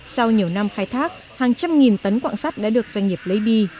sau nhiều năm khai thác hàng trăm nghìn tấn quạng sắt đã được doanh nghiệp lấy đi